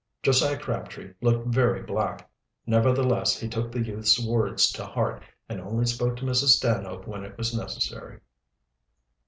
Josiah Crabtree looked very black, nevertheless he took the youth's words to heart and only spoke to Mrs. Stanhope when it was necessary.